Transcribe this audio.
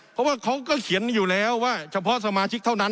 เพราะว่าเขาก็เขียนอยู่แล้วว่าเฉพาะสมาชิกเท่านั้น